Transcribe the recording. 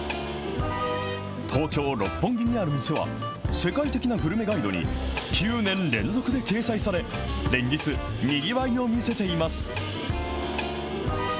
東京・六本木にある店は、世界的なグルメガイドに９年連続で掲載され、連日、にぎわいを見せています。